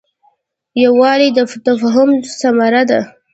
یووالی د تفاهم ثمره ده.